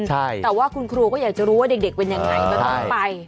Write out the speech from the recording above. แต่ว่าคุณครูก็อยากจะรู้ว่าเด็กเป็นยังไงก็ต้องไป